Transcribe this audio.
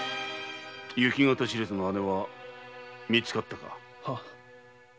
行方知れずの姉は見つかったか？